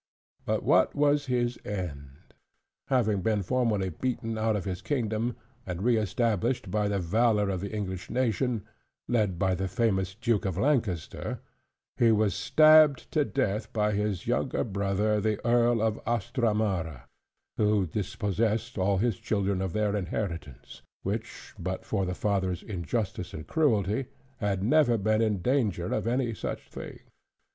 But what was his end? Having been formerly beaten out of his kingdom, and reestablished by the valor of the English nation, led by the famous Duke of Lancaster: he was stabbed to death by his younger brother the Earl of Astramara, who dispossessed all his children of their inheritance; which, but for the father's injustice and cruelty, had never been in danger of any such thing.